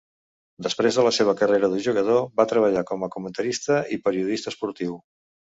Després de la seva carrera de jugador, va treballar com a comentarista i periodista esportiu.